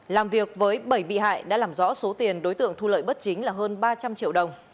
làm việc với bảy bị hại đã làm rõ số tiền đối tượng thu lợi bất chính là hơn ba trăm linh triệu đồng